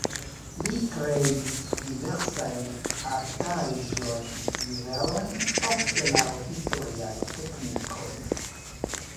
Li kreis diversajn artaĵojn, juvelojn ofte laŭ historiaj teknikoj.